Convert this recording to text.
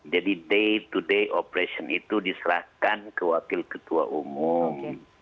jadi day to day operation itu diserahkan ke wakil ketua umum